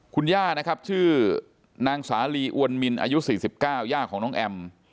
คุณย่านะครับชื่อนางสาลีอวนมินอายุ๔๙ย่าของน้องแอม